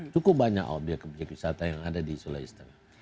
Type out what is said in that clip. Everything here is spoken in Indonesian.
cukup banyak obyek objek wisata yang ada di sulawesi tengah